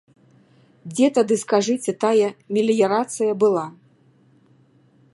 Дзе тады, скажыце, тая меліярацыя была?!